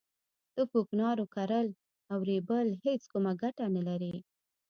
د کوکنارو کرل او رېبل هیڅ کومه ګټه نه کوي